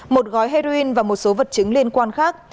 một gói heroin và một số vật chứng liên quan khác